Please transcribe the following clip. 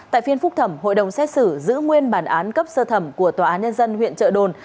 tại phiên phúc thẩm hội đồng xét xử giữ nguyên bản án cấp sơ thẩm của tòa án nhân dân huyện trợ đồn